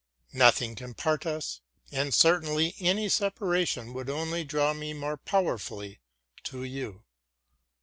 Nothing can part us; and certainly any separation would only draw me more powerfully to you.